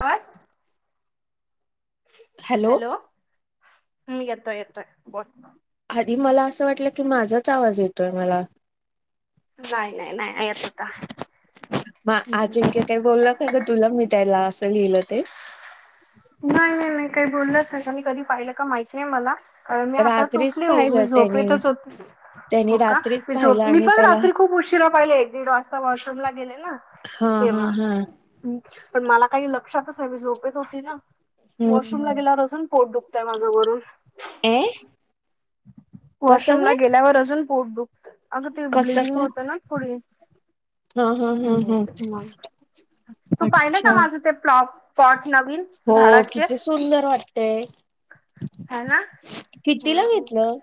पाच हॅलो हम् येत येत बोल आधी मला असं वाटलं की माझाच आवाज येतोय मला नाही नाही नाय येत होता. म आजिंक्य काही बोललं काय ग तुला मी त्यायला असं लिहिलं ते नाय नाय नाय काही बोललाच नाय मी कधी पाहिलं काय माहती नाय मला कारण मी आता रात्रीच उटली हो पाहिलं मी त्याने त्यानी झोपेतच होती. हो त्यांनी का, रात्रीच मी झोप पाहिलं मी आणि पण त्याला रात्री खूप उशिरा पाहिले एक दीड वाजता वॉशरूमला गेले ना हा हा तेव्हा हा पण मला काही लक्षातच नाय मी झोपेत होती ना वॉशरूमला हम्म गेल्यावर अजून पोट दु खतय माझं वरून ए कसं वॉशरूमला काय गेल्यावर अजून पोट दुखत अगं ते कसं ब्लिडिंग काय होतं ना थोडी हा हा हा आणि हो हा नाय, तू पाहिलं का अच्छा माझं ते प्लॉ पॉट नवीन हो झाडाचे किती सुंदर वाटतेय. ह ना कितीला घेतलं?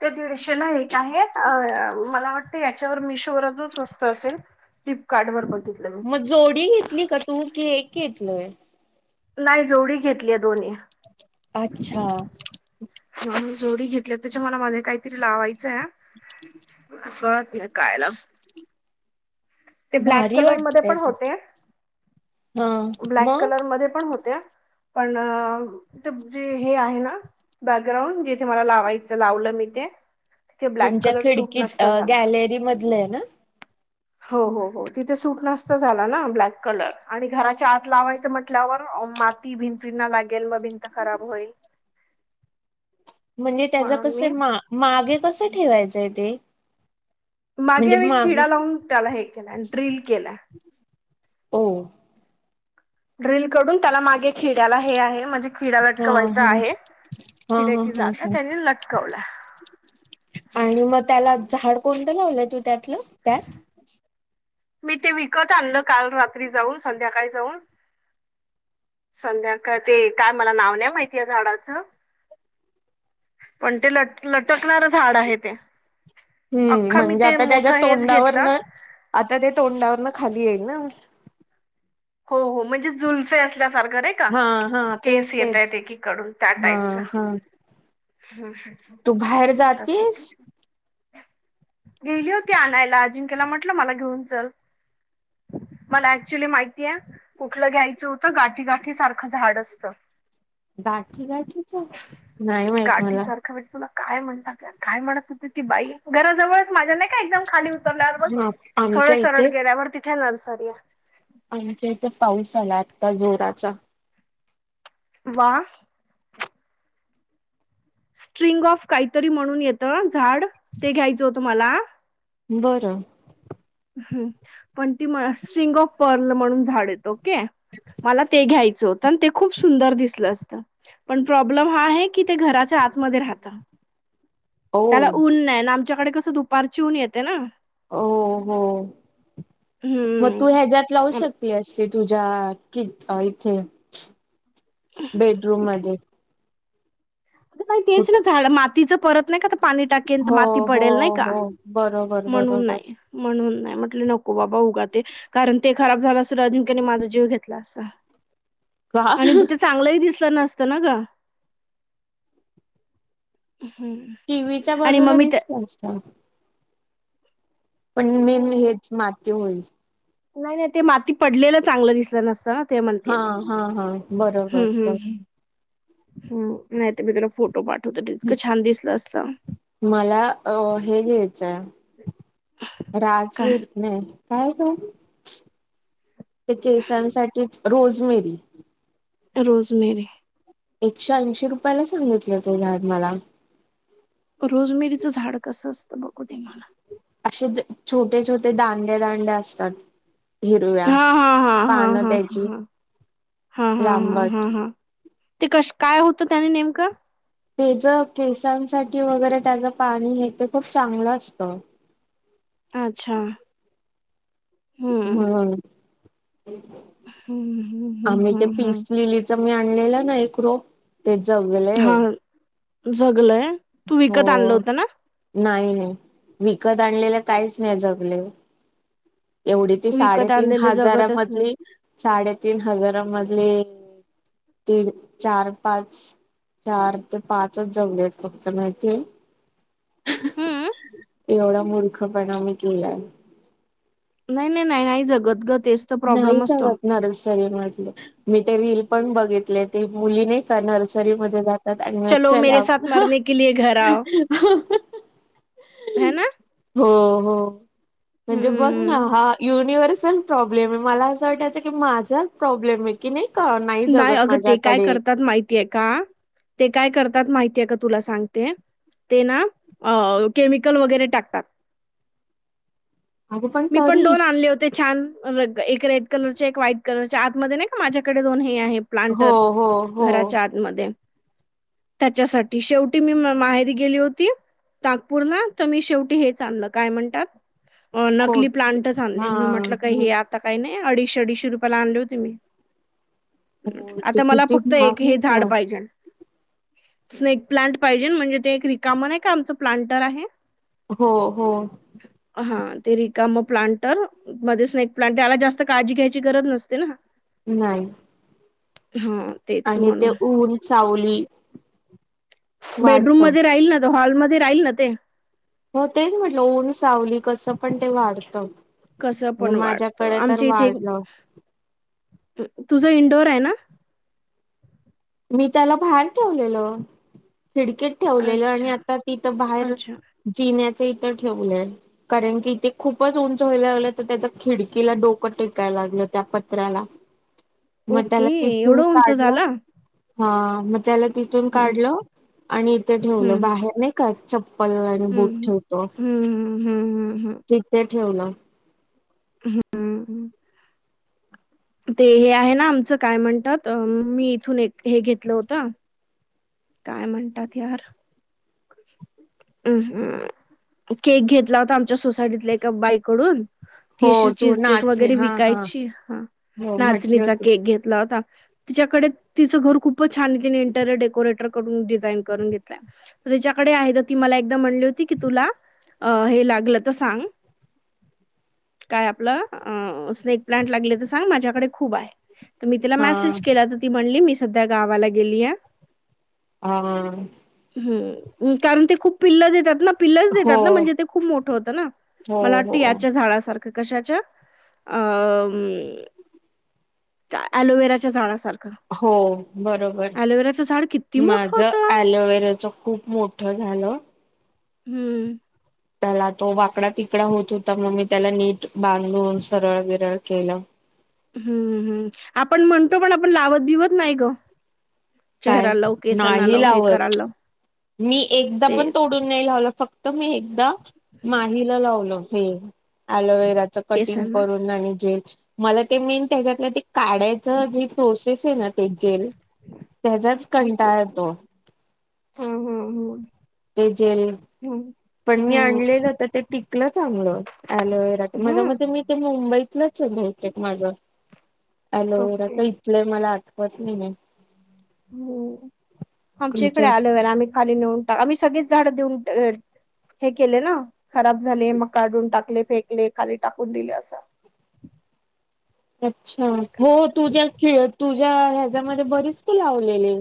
ते दीडशे ना एक आहे. अ अ मला वाट याच्यावर मिशोवर अजून स्वस्त असेल फ्लिपकार्ट वर पण म जोडी घेतली का तू की एक घेतलंय. नाही जोडी घेतलीय दोन्ही अच्छा जोडी घेतल्या त्याच्या मला मधी काहीतरी लावायचं क काय लाव ते ब्लॅक भारी कलरमध्ये वाटतय पण ते होते. हा ब्लॅक मग कलर मध्ये पण होते. पण ते जे हे आहे ना बॅकग्राउंड जिथे मला लावायचं लावलं मी ते तिथे ब्लॅक तुमच्या कलर सूट खिडकीत नष्टत झाला गॅलरी मधलं आहे ना हो हो हो तिथे सूट नास्त झाला ना ब्लॅक कलर आणि घराच्या आत लावायचं म्हटल्यावर माती भिंतीिंना लागेल व भिंत खराब होईल [inaudible] म्हणजे त्याच म्हणून कस मी मा मागे कस ठेवायचंय ते म्हणजे मागे मी माग खिडा लावून त्याला हे केलं ड्रिल केलं हो ड्रिल करडून त्याला मागे खिड्याला हे आहे म्हणजे खिडा हा हा लटकवायचा आहे हा हा खिड्याची हा जागा हा त्यानी लटकवला आणि मग त्याला झाड कोणतं लावलंय तू त्यातलं काय मी ते विकत आणल काल रात्री जाऊन संध्याकाळी जाऊन संध्याकाळ ते काय मला नाव नाही माहिती आहे झाडाचं पण ते लट लटकणार झाड आहे ते हम्म अख्खा मी म्हणजे ते आता त्याच्या मोठं हेच तोंडावरन घेतलं आता ते तोंडावरन खाली येईल ना हो हो म्हणुजे जुलफे असल्यासारखा नाही का हा हा केस तेच येत तेच एकीडून त्या हा टाईप च हा हम् ह तू बाहेर तसच जातेस गेली होती आणायला अजिंक्यला म्हटलं मला घेऊन चल मला ऍक्च्युली माहिती कया कटलं घ्यायचं होतं गाठी गाठी सारखं झाड असतं गाठी गाठीच नाही माहित गाठी मला सारखं म्हणजे तुला काय म्हणतात का काय म्हणत त ती बाई घराजवळच माझ्या नाही का एकदम खाली उतरल्यावर बग हा थोड आमच्या सरळ इथे गेल्यावर ती हे नर्सरया आमच्या इथं पाऊस आला आत्ता जोराचा वा आ स्ट्रिंग ऑफ काहीतरी म्हणून येतं झाड ते घ्यायचं होतं मला बर आ ह पण ती स्ट्रिंग ऑफ पर्ल म्हणून झाड येत ओक मला ते घ्यायचं जोतन ते खूप सुंदर दिसला असता पण, प्रॉब्लेम हा आहे ते घराच्या आत मध्ये राहत ओ त्याला ऊन नाही आमच्याकडे कस दुपारची ऊन येते ना ओ हो मग तू हम्म ह्याच्या्यात लावू अम, शेकली ऐसीड तुझ्या अ कि इथे बेडरूम मध्ये काही कुठ तेच ना झाड मातीचं परत नाही का आता पाणी टाकेल हो माती हो पडेल नाही का हो बरोबर म्हणून बरोबर नाही म्हणून नाही म्हट नको हो बाबा उगा ते कारण ते खराब झालं असल अजिंक्याने माझा जीव घेतला असता का आणि ते चांगलंही दिसलं नसतं ना ग हम्म. टीव्हीच्या आणि मग बाजूला मी दिसल असत पण मेन त्या हेच माती होईल नाही नाही ते माती पडलेलं चांगलं दिसलं नसत ते म्हणतीी हा हा हा बरोबर हम्म बरोबर हम्म ह ह नाहीत मी तला फोटो पाठवत तितकं छान दिसलं असत मला अ हे घ्यायचंय काय राजवीर नाही काय ग ते केसांसाठीच रोजमेरी रोज मेरी एकशे ऐंशी रुपयाला सांगितलं ते झाड मला रोजमिरीच झाड कसं असतं बघू ते म्हाला असे छोटे छोटे दांड्या दांड्या असतात हिरव्या हा हा हा हा पानं हा त्याची हा हा हा हा हा लांबट हा ते कस काय होतं त्याने नेमकं ते ज केसांसाठी वगैरे त्याचं पाणी हे ते खूप चांगलं असतं अच्छा हम्म हम्म हम्म आम्ही हम्म ते हम्म हम्म. पिसलेलीच मी आणलेलं ना एक रोप, ते जगलय. जगलय, तू विकत आणलं होतं ना? नाही विकत आणलेलं काहीच नाही जगले एवढी ती विकत साडेतीन आणलेले हाजारा जगतच नाही. मधली, साडेतीन हजारा मधली ते चार पाच चार ते पाचच जमले फक्त माहितेय हम्म एवढा मूर्खपणा मी केलाय. नाही, नाही, नाही, नाही जगत ग तेच तर नाही प्रॉब्लेम असतो. सरत नर्सरी मधले मी ते रील पण बघितले ती मुली नाही का नर्सरीमध्ये जात चलो मेरे साथ मरने के लिए घर आओ. है ना [unintelligible] हो हो. म्हणजे बघ ना हम्म हा युनिव्हर्स चन प्रॉब्लमेय मला असं वाटयच की माझाच प्रॉब्लेम आहे की नाही का नाही जगत अगं ते काय माझ्याकडे करतात माहितीय का ते काय करतात माहि ते का तुला सांगते ते ना अ केमिकल वगैरे टाकतात. [unintelligible] अगं मी पण तरी दोन आणले होते छान. दोन रंग एक रेड कलरच्या, एक व्हाईट कलरच्या आतमध्ये नाही का माझ्याकडे दोन हे आहे. हो प्लांटर्स हो हो घराच्या आतमध्ये. त्याच्यासाठी शेवटी मी म माहेरी गेली होती. तातपूर्ण तर मी शेवटी हेच चांगलं काय म्हणतात अ खोट नकली प्लांटच हा आणले, मी म्हटलं काही हो हे आता काही नाही अडीचशे अडीचशे रुपयाला आणले होते मी. हो ते आता मला किती फक्त एक महाग हे होता झाड पाहिजे स्नेक प्लांट पाहिजेल, म्हणजे ते एक रिकाम नाही का आमचं प्लांटर आहे. हो हो. हा ते रिकाम प्लांट मध्ये स्नेक प्लांट त्याला जास्त काळजी घ्यायची गरज नसते ना नाही हा तेच आणि ते म्हणून ऊन चावली बेडरूम मध्ये राहील ना गं, हॉलमध्ये राहील ना ते. हो तेच म्हटलं ऊन सावली कसं पण ते वाढतं कसं म्हणजे पण वाढतं माझ्याकडे तर आमच्या इथे वाढलं तू तुझं इंडोर आहे ना. मी त्याला बाहेर ठेवलेल खिडकीत ठेवलेलं आणि अच्छा आता तिथं बाहेर अच्छा जिण्यात च्या इथ ठेवल्यात कारण, की इथे खूपच उंच व्हाय ला लागलंले, तर त्याच खिडकीला डोकं टेकायला लागल त्या पत्र्याला मग ओके त्याला तीथून एवढं उंच काढलं झाला हा मग त्याला तिथून हम्म काढलं आणि इथे ठेवलं हम्म बाहेर नाही का? चप्पल आणि बूट हम्म ठेवतो हम्म हम्म हम्म तिथे ठेवलं. हम्म. ते हे आहे ना आमचं काय म्हणतात? मी इथून एक हे घेतलं होतं. काय म्हणतात यार? अम्म केक घेतला होता, आमच्या सोसायटीतल्या एका बाईकडून ती हो अशी तू चीज केक नाचणे वगैरे हा हा विकायची, हा हो म्हटली नाचणीचा होती केक घेतला होता तिच्याकडे तिचं घर खूपच छान तिने इंटेरियर डेकोरेटर कडून डिझाईन करून घेतलय. त्याच्याकडे आहे तर ती मला एकदा म्हणली होती की, तुला हे लागलं तर सांग. काय आपलं? अ स्नेक प्लांट लागले, तर सांग माझ्याकडे खूप आहे. तर मी तिला हा मॅसेज केला, तर ती म्हणली मी सध्या गावाला गेलीए हा [unintelligible] ह कारण ते खूप पिल्ल देतात ना पिल्लच हो देतात ना म्हणजे ते खूप मोठं होत ना हो मला वाटतं हो याच्या झाडासारख कशाच्या अ आयवेराच्या [unintelligible] झाडासारख हो बरोबर झाड किती माझ मोठं होतं. अलोवेराच [unintelligible] खूप मोठ झालं हम्म त्याला तो वाकडा तिकडा होत होता मग मी त्याला नीट बांधून सरळ विरळ केलं हम्म हम्म आपण म्हणतो पण आपण लावत भिवत नाही ग काय चेहरा लाव केसांना नाही लाव हे करायला लावत लाव मी एकदा पण तेच तोडून नाही लावलं फक्त तर मी एकदा माहीला लावलो हे अलोवे [unintelligible] त्याच कटिंग केसांना करून आणि जेल मला ते मीन त्याच्यातल ते काढायच प्रोसेस आहे ना ते जेल त्याचाच गिच कटाळ येतो हम् हम् ते जेल हम् पण मी आणलेलं तर ते टिकलं चांगलं हयालोवेरा तर मझ्या हं, मते मी ते मुंबई मुंबईतलंच आहे बते माझं अलोवेरा ओके का इथलंय मला आ- पत्नीने हम्म आमच्या इकडे आलो ना [unintelligible] आम्ही [unintelligible] खाली नेऊन टा आम्ही सगळीच झाड देऊन [inaudible] हे केले ना खराब झाले मग काढून टाकले फेकले खाली टाकून दिले असं [inaudible] अच्छा हो तुझ्या खेळ तुझ्या ह्याच्यामध्ये बरीच तू लावलेली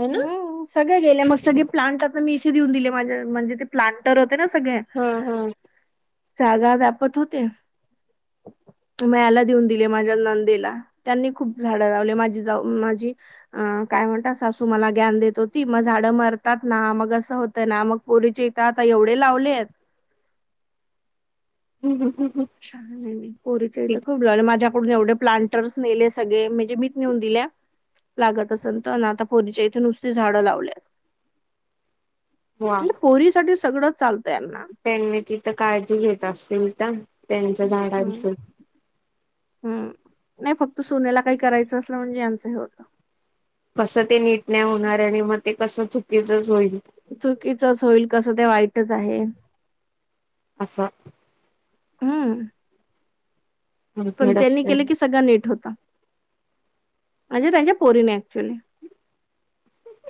है ना ह सगळ्या गेल्या मग सगळे प्लांट आता मी इथे देऊन दिले माझे म्हणजे ते प्लांटरच ना सगळे हा हा जागा व्यापत होते [inaudible] उ मयाला देऊन दिले माझ्या नंदेला त्यांनी खूप झाडं लावले माझी जाऊ माझी अ काय म्हण [unintelligible] सासू मला ग्यान देत होती मग झाडं मरतात ना मग असं होतं ना मग पोरीचे इथ आता एवढे लावलेत हम् हम् हम् [inaudible] सांग मी परिचय [unintelligible] हित खूप लावलय माझ्या एवढे प्लांटर्स नेले सगळे म्हणजे मीच नेऊन दिल्या लागत असेल तर ना आता पोरीच्या इथे नुसती झाडं लावल्यास ह [inaudible] म्हणजे [unintelligible] पोरी साठी सगळं चालतं यांना. त्यांनी तिथं काळजी घेत असतील का त्यांच्या हम्म झाडांच हम्म नाही फक्त सोन्याला काही करायचं असलं म्हणजे यांचं हे होतं कसं ते नीट न होणार आणि मग ते कस चुकीचंच होईल चुकीचच होईल कसं ते वाईटच आहे अस हम्म पण त्यांनी असत केलं की सगळा नीट होत म्हणजे त्यांच्या पोरीने ऍक्च्युली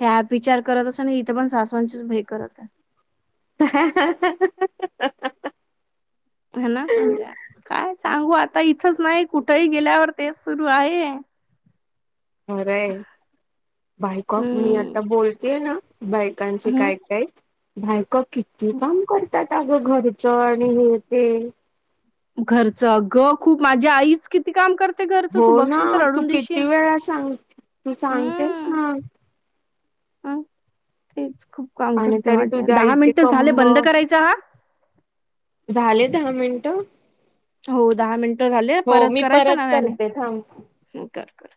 हे आप विचार करत अस आणि इथे पण सासवांचीच भे करत आहे [inaudible] है ना म्हणजे काय सांगू आता इथंच नाही कुठही गेल्यावर तेच सुरू आहे अरे बायक मी हम्म. आता बोलतेय ना बायकांचे हम्म. काय काय बायक किती काम करतात अगं घर आणि हेते. घरच ग खूप माझ्या आईच किती काम करत. ते घरच तू हो ना बघक्षील तर तू अडून दिशील किती वेळा सांग तू सांगतेस हम्म. ना हा तेच. खूप काम आणि करते तरी माझे तुझ्या दहा आईचे मिनिट झाले कंब बंद करायच हा. झाले दहा मिनटं. हो दहा मिनटं घाली परत करायच नव्याने करते थांब कर कर.